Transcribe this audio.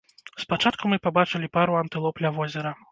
Спачатку мы пабачылі пару антылоп ля возера.